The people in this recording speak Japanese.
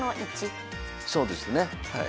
そうですねはい。